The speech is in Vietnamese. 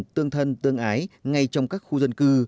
tương thân tương ái ngay trong các khu dân cư